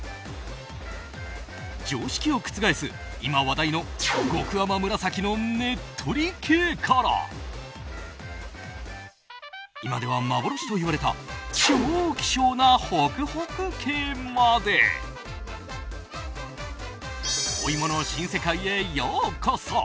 常識を覆す、今話題の極甘紫のねっとり系から今では幻と言われた超希少なホクホク系までお芋の新世界へようこそ！